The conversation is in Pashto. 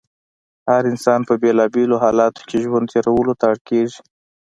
هر انسان په بېلا بېلو حالاتو کې ژوند تېرولو ته اړ کېږي.